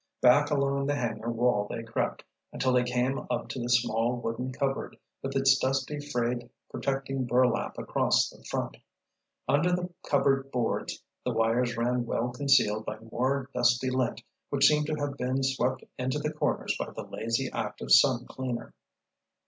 Back along the hangar wall they crept, until they came up to the small wooden cupboard with its dusty, frayed protecting burlap across the front. Under the cupboard boards the wires ran well concealed by more dusty lint which seemed to have been swept into the corners by the lazy act of some cleaner.